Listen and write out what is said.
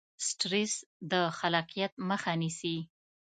سټرس د خلاقیت مخه نیسي.